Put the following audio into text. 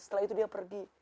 setelah itu dia pergi